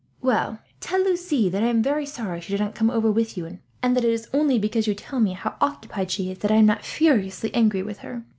"Tell Lucie that I am very sorry she did not come over with you and Philip, and that it is only because you tell me how occupied she is that I am not furiously angry with her.